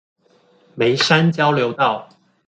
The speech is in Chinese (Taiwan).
梅山交流道